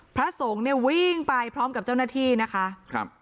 พระสงฆ์เนี่ยวิ่งไปพร้อมกับเจ้าหน้าที่นะคะครับ